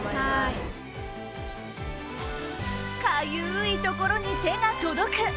かゆいところに手が届く。